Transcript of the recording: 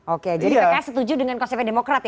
oke jadi pks setuju dengan konsepnya demokrat ya